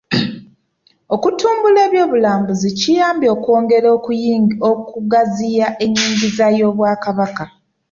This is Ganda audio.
Okutumbula eby'obulambuzi kiyambye okwongera okugaziya ennyingiza y'Obwakabaka.